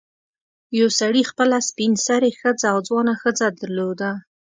یو سړي خپله سپین سرې ښځه او ځوانه ښځه درلوده.